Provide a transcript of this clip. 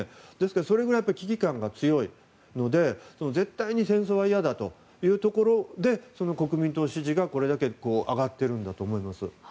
それぐらい危機感が強いので絶対に戦争はいやだというところで国民党支持がこれだけ上がっているんだと思います。